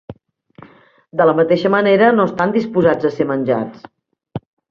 De la mateixa manera, no estan disposats a ser menjats.